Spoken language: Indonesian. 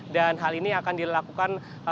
dan hal ini akan dilakukan